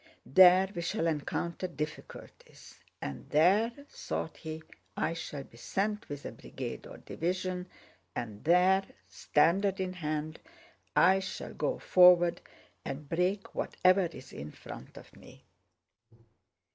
"There we shall encounter difficulties, and there," thought he, "I shall be sent with a brigade or division, and there, standard in hand, I shall go forward and break whatever is in front of me."